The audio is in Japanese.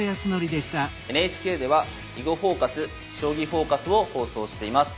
ＮＨＫでは「囲碁フォーカス」「将棋フォーカス」を放送しています。